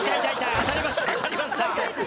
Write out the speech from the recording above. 当たりました！